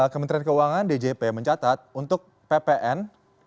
kementerian keuangan djp mencatat untuk ppn